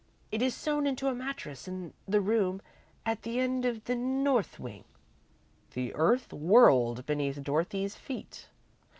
It is sewn in a mattress in the room at the end of the north wing." The earth whirled beneath Dorothy's feet.